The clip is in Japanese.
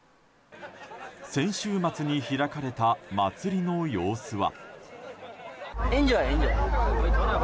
先週末に開かれた祭りの様子は。